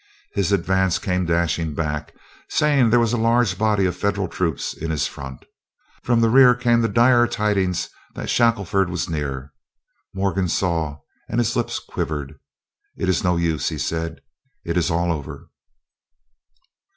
His advance came dashing back, saying there was a large body of Federal troops in his front. From the rear came the direful tidings that Shackelford was near. Morgan saw, and his lip quivered. "It is no use," he said, "it is all over."